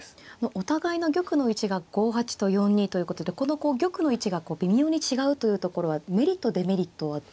お互いの玉の位置が５八と４二ということでこのこう玉の位置が微妙に違うというところはメリットデメリットは。